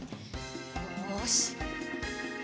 よし。